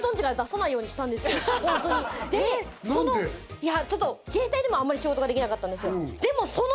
いやちょっと自衛隊でもあんまり仕事ができなかったんですよ。